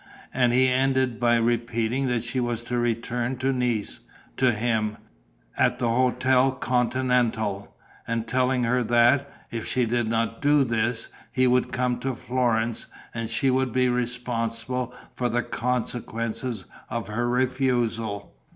And he ended by repeating that she was to return to Nice, to him, at the Hôtel Continental, and telling her that, if she did not do this, he would come to Florence and she would be responsible for the consequences of her refusal.